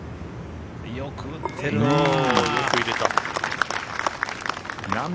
よく打ってるな。